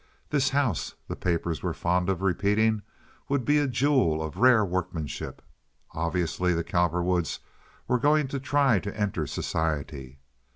This house, the papers were fond of repeating, would be a jewel of rare workmanship. Obviously the Cowperwoods were going to try to enter society.